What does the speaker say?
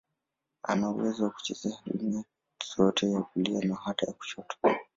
Ana uwezo wa kucheza winga zote, ya kulia na hata ya kushoto.